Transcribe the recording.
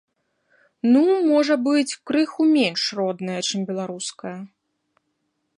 Ну, можа быць, крыху менш родная, чым беларуская.